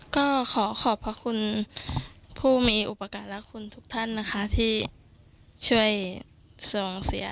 ก็ขอขอบพระคุณผู้มีอุปการณ์และคุณทุกท่านนะคะที่ช่วยส่งเสีย